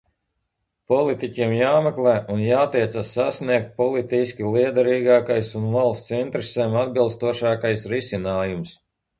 Politiķiem jāmeklē un jātiecas sasniegt politiski lietderīgākais un valsts interesēm atbilstošākais risinājums.